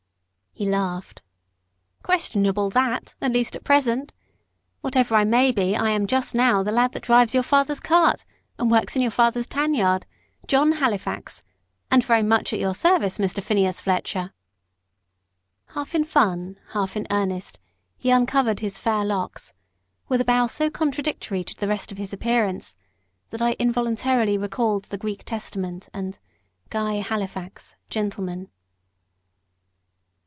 He laughed. "Questionable that at least at present. Whatever I may be, I am just now the lad that drives your father's cart, and works in your father's tan yard John Halifax, and very much at your service, Mr. Phineas Fletcher." Half in fun, half in earnest, he uncovered his fair locks, with a bow so contradictory to the rest of his appearance, that I involuntarily recalled the Greek Testament and "Guy Halifax, Gentleman."